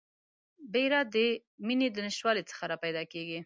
بیره د میني د نشتوالي څخه راپیدا کیږي